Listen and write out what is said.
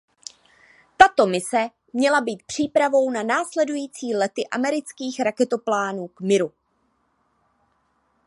Tato mise měla být přípravou na následující lety amerických raketoplánů k Miru.